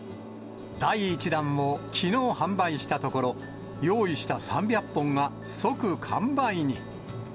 第１弾をきのう販売したところ、用意した３００本が、即完売に。